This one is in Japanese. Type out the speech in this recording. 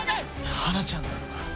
花ちゃんなのか？